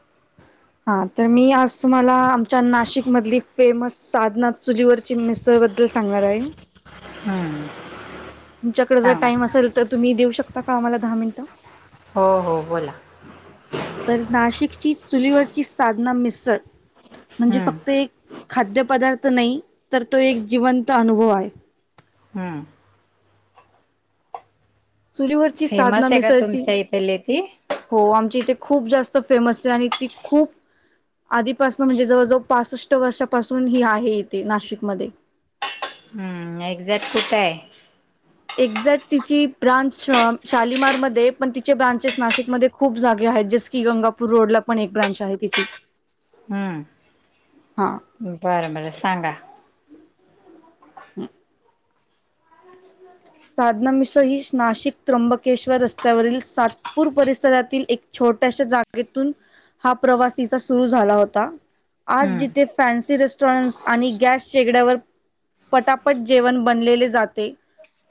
[inaudible] हा तर मी आज तुम्हाला आमच्या नाशिक मधली फेमस सादनाथ चुलीवरची मिस्तळ बद्दल सांगणार आहे. हम्म तुमच्याकडे जर सांगा. टाइम असेल तर तुम्ही देऊ शकता का आम्हाला दहा मिनिटं हो हो बोला. तर नाशिकची चुलीवरची साधना मिसळ म्हणजे हम्म, फक्त एक खाद्य पदार्थ नाही तर तो एक जिवंत अनुभव आहे. हम्म. चुलीवरची साधना फेमस आहे का मिसळची, तुमच्या इथली ती? हो आमची इथे खूप जास्त फेमस आहे आणि ती खूप आधीपासन म्हणजे जवळजवळ पासष्ट वर्षापासून ही आहे इथे नाशिकमध्ये हम्म एक्झॅक्ट कुठे आहे? एक्झॅक्ट तिची ब्रांच शालीमारमध्ये पण तिचे ब्रांचेस नाशिकमध्ये खूप जागे वर आहे जस की गंगापूर रोड ला पण एक ब्रांच आहे तिची हम्म. हा बरं बरं सांगा. [unintelligible] साधना मिसळ ही नाशिक त्र्यंबकेश्वर रस्त्यावरील सातपूर परिसरातील एक छो छोट्याश जागेतून हा प्रवास तिचा सुरू झाला होता. आज हम्म, जिथे फॅन्सी रेस्टॉरंट्स आणि गॅस शेगड्यावर पटापट जेवण बनलेले जाते.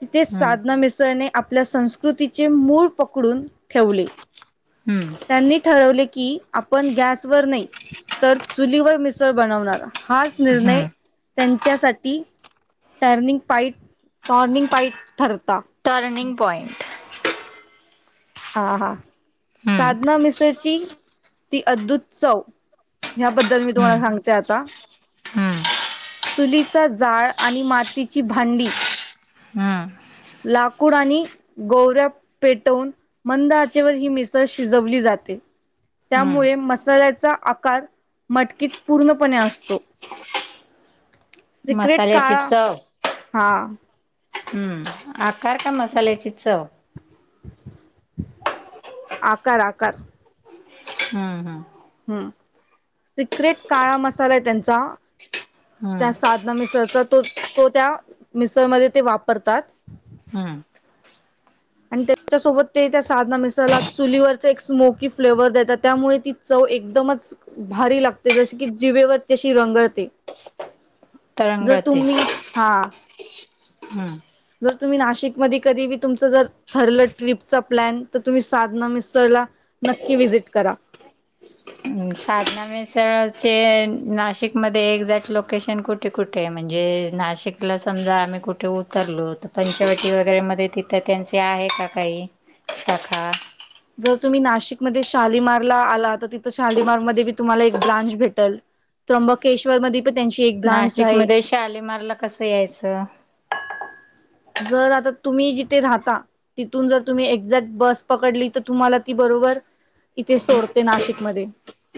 तिथेच हम्म, साधना मिसळने आपल्या संस्कृतीचे मूळ पकडून ठेवले. हम्म, त्यांनी ठरवले की आपण गॅसवर नाही तर चुलीवर मिसळ बनवणार हाच निर्णय हम्म. त्यांच्यासाठी टर्निंग पाईट टर्निंग पाईट ठरता टर्निंग पॉईंट. हा हा हम्म, साधना मिसळची ती अद्भुत चव ह्याबद्दल मी तुम्हाला हम्म, सांगते आता हम्म, चुलीचा जाळ आणि मातीची भांडी हम्म, लाकूड आणि गौ ऱ्या पेटवून मंद आचेवर ही मिसळ शिजवली जा जाते. हम्म. त्यामुळे मसाल्याचा आकार मटकीत पूर्णपणे असतो. सिक्रेट मसाल्याची काळा चव. हा हम्म आकार का मसाल्याची चव आकार आकार हम्म, हम्म, हम्म सिक्रेट काळा मसाला आहे त्यांचा त्या हम्म, साधना मिसळचा तो तो त्या मिसळमध्ये ते वापरतात हम्म. आणि त्याच्यासोबत ते त्या साधना मिसळला चुलीवरचा एक स्मोकी फ्लेवर देतात त्यामुळे ती चव एकदमच भारी लागते जस की जिभेवरती अशी रेंगाळते. जर तरंगळते. तुम्ही हा हम्म. जर तुम्ही नाशिक मदी कधी बी तुमचं जर ठरलं ट्रिपचा प्लॅन तर तुम्ही साधना मिसळला नक्की विजिट करा. हम्म साधना मिसळचे नाशिकमध्ये एक्झॅक्ट लोकेशन कुठे कुठे आहे म्हणजे नाशिकला समजा आम्ही कुठे उतरलो तर पंचवटी वगैरे मध्ये तिथं त्यांचे आहे का काही शाखा जर तुम्ही नाशिकमध्ये शालीमारला आला तर तिथं शालीमार मध्ये तुम्हाला एक ब्रांच भेटल त्र्यंबकेश्वर मध्ये नाशिक मध्ये शालीमारला कसं यायचं? जर आता तुम्ही जिथे राहता तिथून जर तुम्ही एक्झॅक्ट बस पकडली तर तुम्हाला ती ब बरोबर इथे सोडते नाशिकमध्ये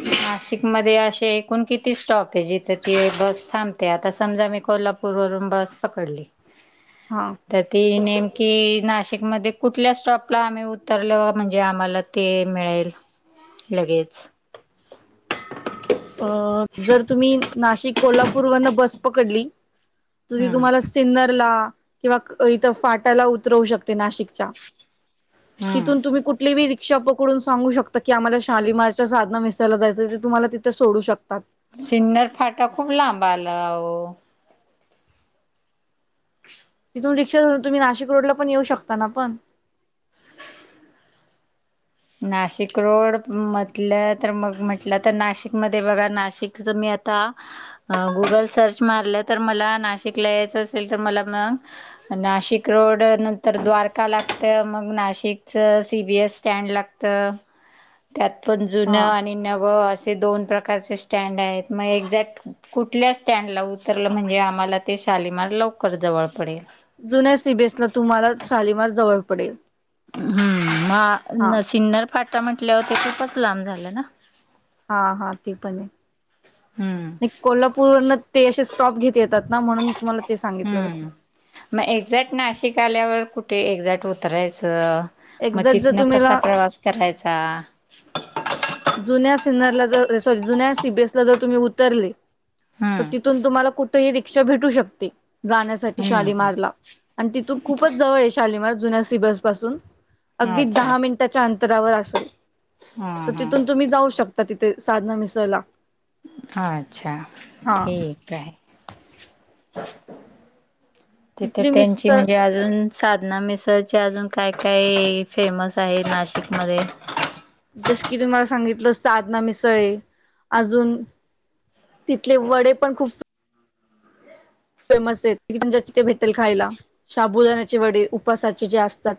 नाशिकमध्ये असे एकूण किती स्टॉप आहे जिथे ती बस थांबते आता समजा मी कोल्हा पूर वरून बस पकडली हा तर ती नेम कि नाशिकमध्ये कुठल्या स्टॉपला आम्ही उतरलो म्हणजे आम्हाला ती मिळेल? लगेच अ जर तुम्ही नाशिक कोल्हापूर वरण बस पकडली ती हम्म तुम्हाला सिन्नर किंवा इथं फाट्याला उतरवू शकते नाशिकच्या हम्म तिथून तुम्ही कुठली बी क्षा पकडून सांगू शकता की आम्हाला शालीमारच्या साधना मिसळला जाचंय ते तुम्हाला तिथे सोडू शकतात. सिन्नर फाटा खूप लांब आला अहो तिथून रिक्षा धरून तुम्ही नाशिक रोडला पण येऊ शकताना पण नाशिक रोड म्हटलं तर मग म्हटलं तर नाशिकमध्ये बघा नाशिकच मी आता गुगल सर्च मारलं तर मला नाशिकला यायचं असेल तर मला मग नाशिक रोड नंतर द्वारका लागत मग नाशिकच सी बीएस स्टँड लाग त्यात पण जुनं हा आणि नवं अस ते दोन प्रकारचे स्टँड आहेत मग एक्झॅक्ट कुठल्या स्टँडला उतरलं म्हणजे आम्हाला ते शालीमार लवकर जवळ पडेल. जुन्या सीबीएसला तुम्हाला शालिमार जवळ पडेल. हम्म हा म सिन्नर फाटा म्हंटल्यावरती खूपच लांब झालं ना हा हा ते पण हम्म आहे. कोल्हापूरवरन ते असे स्टॉप घेत येतात ना म्हणून तुम्हाला ते सांगितलं जसं हम्म मग एक्झॅक्ट नाशिक आल्यावर कु कुठे एक्झॅक्ट उतरायचं मग एक्झॅक्ट जर तिथनं कसा तुम्हीला प्रवास करायचा? जुन्या सिन्नरला जर सॉरी जुन्या सीबीएस जर तुम्ही उतरले तर हम्म तिथून तुम्हाला कुठ कुठेही रिक्षा भेटू शकते जाण्यासाठी हम्म हम्म शालीमारला आणि तिथून खूपच जवळ आहे शालीमार जुन्या सी बी एस पासून अगदी अच्छा दहा मिनिटाच्या अंतरावर असल. तर हा तिथून तुम्ही जाऊ शकता तिथे साधना मिसळला अच्छा हा ठीक आहे. तिथे तिथली त्यांची मिसळ म्हणजे अजून साधना मिसळची अजून काय काय फेमस आहे नाशिकमध्ये जस की तुम्हाला सांगितलं साधना मिसळ आहे अजून तिथले वडे पण खूप फेमस आहेत म्हणजे भेटेल खायला शाबूदाण्याचे वडे उपवासाचे जे असतात.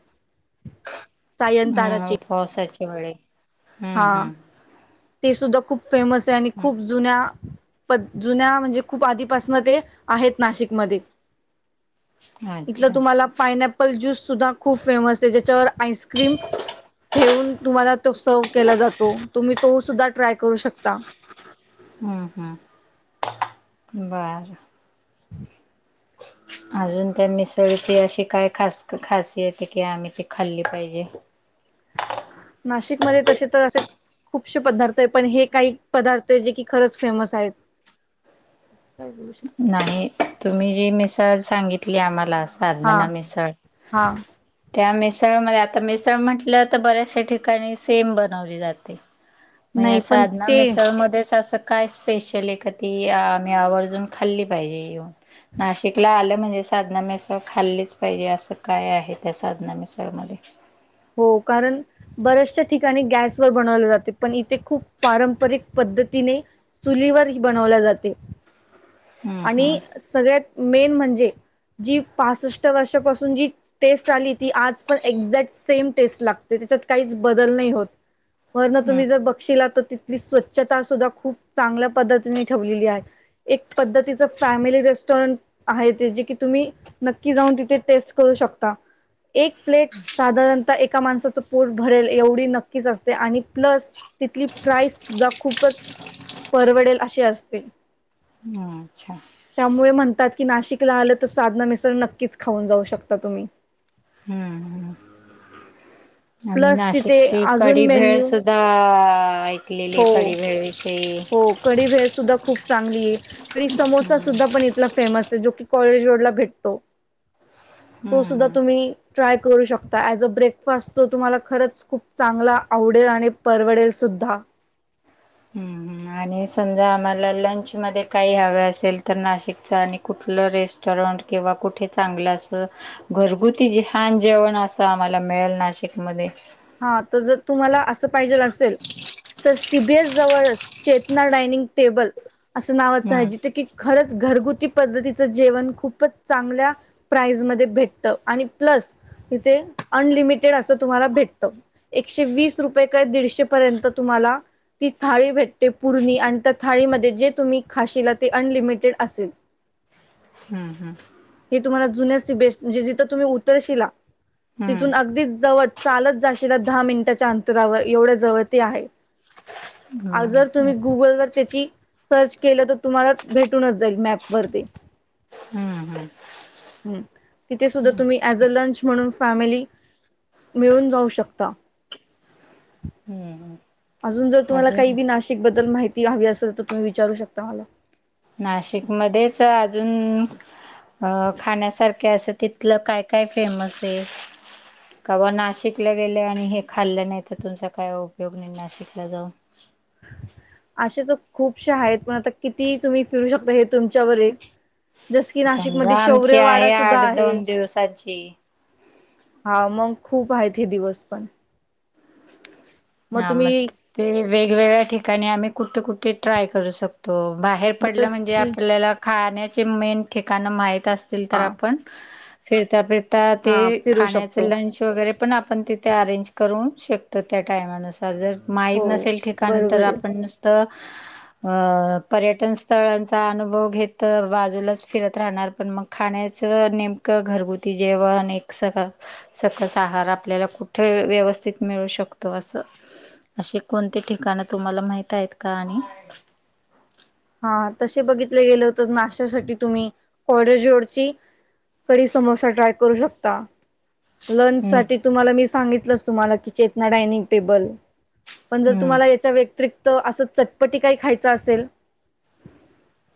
सायंंत ह पावसाची वेळी हा ते सुद्धा खूप फेमस आहे आणि खूप हम्म जुन्या पण जुन्या म्हणजे खूप आधीपासन ते आहेत नाशिकमध्ये इथलं अच्छा तुम्हाला पाइनॲपल ज्यूस सुद्धा खूप फेमस आहे ज्याच्यावर आईस्क्रीम ठेवून तुम्हाला तो सर्व केला जातो तुम्ही तो सुद्धा ट्राय करू शकता. हम्म हम्म बरं [inaudible] अजून त्या मिसळीची अशी काय खास खाास येते की आम्ही ती खाल्ली पाहिजे नाशिकमध्ये तसे तर असे खूपसेे पदार्थ आहे पण हे काही पदार्थ आहे जे कि खरंच फेमस आहेत काय बोलू शकते नाही तुम्ही जी मिसळ सांगितली आम्हाला हा साधना मिसळ हा त्या मिसळमध्ये आता मिसळ म्हटलं तर बऱ्याचशा ठिकाणी सेम बनवली जाते मग नाही पण साधना ते मिसळ मध्येच असं काय स्पेशल आहे का ती आम्ही आवर्जून खाल्ली पाहिजे येऊन नाशिकला आलं म्हणजे साधना मिसळ खाल्लीच पाहिजे असं काय आहे त्या साधना मिसळमध्ये हो कारण बऱ्याचशा ठिकाणी गॅसवर बनवले जाते पण इथे खूप पारंपरिक पद् पद्तीने चुलीवर बनवल्या जाते हम्म हम्म आणि सगळ्यात मेन म्हणजे जी पासष्ट वर्षापासून जी टेस्ट आली ती आज पण एक्झॅक्ट सेम टेस्ट लागते. त्याच्यात काहीच बदल नाही होत. वरण तुम्ही जर बगशिला तर स्वच्छता सुद्धा खूप चांगल्या पद्धतीने ठेवलेली आहे. एक पद्धतीच फॅमिली रेस पण, आहे ते जे की तुम्ही नक्की जाऊन तिथे टेस्ट करू शकता. एक प्लेट साधारणतः एका माणसाचं पोट भरेल एवढी नक्कीच असते आणि प्लस तिथली प्राईस सुद्धा खूपच परवडेल अशी असते. हा अच्छा. त्यामुळे म्हणतात की नाशिकला आलं तर साधना मिशळ नक्कीच खाऊन जाऊ शकता तुम्ही. हम्म हम्म. आमी प्लस तिथे नाशिकची अजून कडीभेळ मेन्यू सुद्धा लेली हो कडी भेळवी हो कडी भेळ सुद्धा खूप चांगली आहे. कडी समोसा हम्म सुद्धा पण इथला फेमस आहे जो की कॉलेज रोड ला भेटतो. तो सुद्धा हम् तुम्ही ट्राय करू शकता. ऍज अ ब्रेकफास्ट तो तुम्हाला खरंच खूप चांगला आवडेल आणि परवडेल सुद्धा सुद्धा हम्म हम्. आणि समजा आम्हाला लंचमध्येध्ये काही हवें असेल तर नाशिकच आणि कुठलं रेस्टॉरं किंवा कुठे चांगलं अस घरगुती जेहान जेवण असं आम्हाला मिळेल नाशिकमध्ये? हा तर तुम्हाला अस पाहिजे तर सीबीयेस जवळ चेतना डायनिंग टेबल. असं नावाचं आहे हम्म जिथे की खरच घरगुती पद्धतीच जेवण खूपच चांगल्या प्राईजमध्ये भेटत आणि प्लस इथे अनलिमिटेड असं तुम्हाला भेट एकशे वीस रुपये काय दीडशे पर्यंत तुम्हाला ती थाळी भेटते पूर्णी आणि त्या थाळीमध्ये जे तुम्ही खाशीला ते अनलिमिटेड असेल. [unintelligible] हम्म हम्म. जथ तुम्ही उतरला हम्म तथून अगदीच जवळ चाल जशिला दहा मिनिटाच्या अंतुरावर एवढ्या जवळती आहे. अ हम्म जर तुम्ही हम्म गुगलवरर त्याची सर्च केलं तर तुम्हाला भेटूनच जाईल मॅप वरती. हम्म तिथे सुधा तुम्ही ज अ लंच म्हणून फॅमिली मिळून जाऊ शकता. हम्म अजून जर तुम्हाला काही अजून बी नाशिक बद्दल माहिती हवी असेल तर तुम्ही विचारू शकता मला. नाशिक मध्येच अजून अं खाण्यासारखे असं तिथलं काय काय फेमस ये? कवा नाशिकला गेले आणि हे खाल्लं नाही तर तुमचा काय उपयोग नाही नाशिकला जाऊन? [unintelligible] असे तर खूपशे आहेत पण आता किती तुम्ही फिरू शकता हे तुमच्यावर ये. जसं की समजा नाशिकमध्ये आमची शौर्यवाडा आहे सुद्धा आठ आहे. दोन दिवसाची हा मग खूप आहेत हे दिवस पण. हा मग ते वेगवेगळ्या ठिकाणी आम्ही कुठे कुठे ट्राय करू शकतो? होय बाहेर पडलं जस म्हणजे की आपल्याला खाण्याचे मेन ठिकाणं माहित असतील तर आपण फिरता फिरता ते हा फिरू खाण्याचे शकतो लंच वगैरे पण आपण तिथे अरेंज करू शकतो त्या टायमा नुसार जर माहीत हो नसेल ठिकाणं बरोबर तर आहे. आपण नुसतं [unintelligible] अ पर्यटन स्थळांचा अनुभव घेत तर बाजूलाच फिरत राहणार पण मग खाण्या चे नेमक घरगुती जेवण सकस आहार आपल्याला कुठे व्यवस्थित व्यवस्थित मिळू शकतो असं अशी कोणती ठिकाण तुम्हाला माहित आहेत का आणि? हा तसे बघितले गेलं होत नाश्यासाठी तुम्ही कॉडजोडची कडी समोसा ट्राय करू शकता? लंच हम्म. साठी तुम्हाला मी सांगितलंच तुम्हाला कि चेतना डायनिंग टेबल. पण जर हम्म. तुम्हाला याच्या व्यतिरिक्त असं चटपटी काही खायच असेल?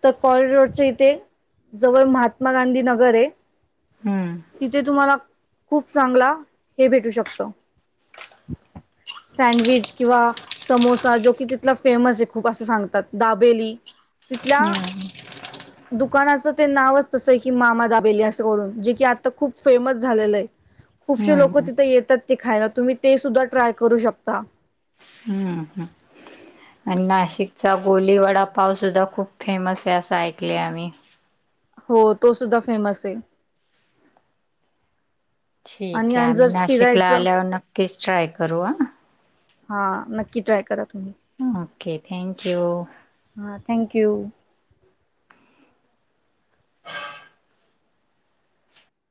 तर कॉरिडोरच्या इथे जवळ महात्मा गांधी नगर आहे. हम्म. तिथे तुम्हाला खूप चांगला हे भेटू शकतो. सँडविच किंवा समोसा जो की तिथला फेमस आहे खूप असं सांगतात दाबेली तिथल्या हम्म. दुकानाचं ते नावच तसं की मामा दाबेली असं करून जे की आता खूप फेमस झालेलं आहे ते खूपशे लोक हम्म. तिथे येतात ते खायला तुम्ही ते सुद्धा ट्राय करू शकता. हम्म हम्म. आणि नाशिकचा बोली वडा पावसद्धा खूप फेमस आहे असं ऐकले आम्ही? हो तो सुद्धा फेमस आहे. आणि ठीक आहे आणि आम्ही जर नाशिकला फिरायचं आल्यावर नक्कीच ट्राय करू हा. हा नक्की ट्राय करा. तुम्ही ओके थँक्यू. हा थँक्यू.